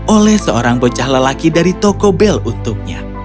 oleh seorang bocah lelaki dari toko bel untuknya